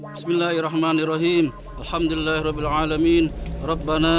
bismillahirrahmanirrahim alhamdulillahirobbil alamin rabbana